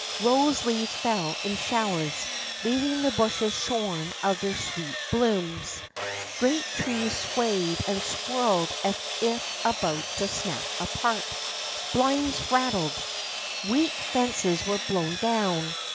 Bose leaves fell in showers, leav ing the bushes shorn of their sweet blooms. Great trees swayed and swirled as if about to snap apart. Blinds rattled. Weak fences were blown down.